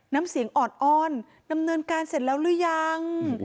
น้ำเสียงออดอ้อนดำเนินการเสร็จแล้วหรือยัง